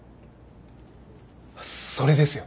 それですよ。